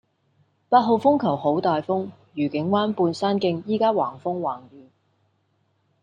八號風球好大風，愉景灣畔山徑依家橫風橫雨